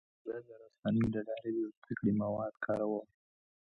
زه د رسنیو له لارې د زده کړې مواد کاروم.